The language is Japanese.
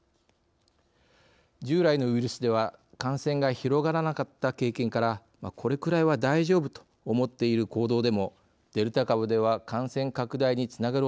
従来のウイルスでは感染が広がらなかった経験からこれくらいは大丈夫と思っている行動でもデルタ株では感染拡大につながるおそれがあります。